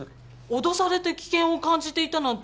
脅されて危険を感じていたなんて